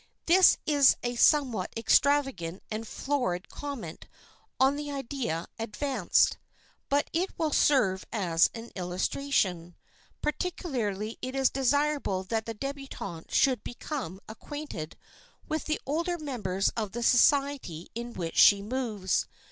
This is a somewhat extravagant and florid comment on the idea advanced. But it will serve as an illustration. Particularly is it desirable that the débutante should become acquainted with the older members of the society in which she moves.